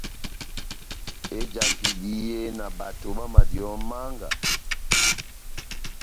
Ejaka ehidiye na bato bámadiyɛ ó manga,